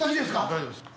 大丈夫ですか。